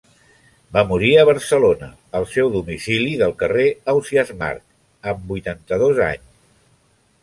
Va morir a Barcelona, al seu domicili del carrer Ausiàs March, amb vuitanta-dos anys.